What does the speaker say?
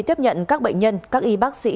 tiếp nhận các bệnh nhân các y bác sĩ